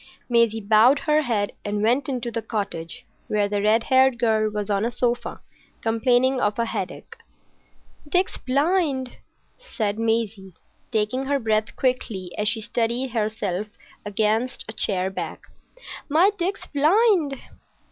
Maisie bowed her head and went into the cottage, where the red haired girl was on a sofa, complaining of a headache. "Dick's blind!" said Maisie, taking her breath quickly as she steadied herself against a chair back. "My Dick's blind!"